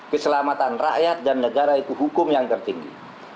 keselamatan rakyat dan negara itu hukum yang tertinggi